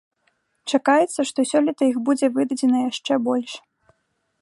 Чакаецца, што сёлета іх будзе выдадзена яшчэ больш.